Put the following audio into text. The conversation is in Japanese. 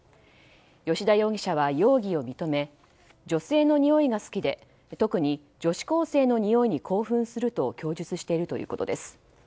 吉田容疑者は容疑を認め女性のにおいが好きで特に女子高生のにおいに興奮すると供述しているということです。